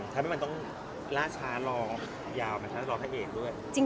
ทำให้มันต้องล่าช้ารอยาวมาทั้งรอพระเอกด้วย